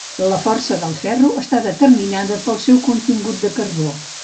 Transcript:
La força del ferro està determinada pel seu contingut de carbó.